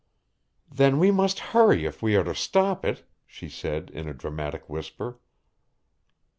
"Then we must hurry if we are to stop it," she said in a dramatic whisper.